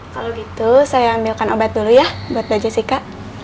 kalau gitu saya ambilkan obat dulu ya buat mbak jessica